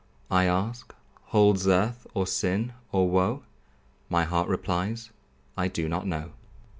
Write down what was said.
I ask, "Holds earth of sin, or woe?" My heart replies, "I do not know."